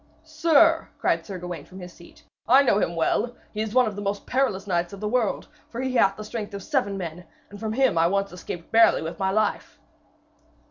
'Sir,' cried Sir Gawaine from his seat, 'I know him well. He is one of the perilous knights of the world, for he hath the strength of seven men, and from him I once escaped barely with my life.'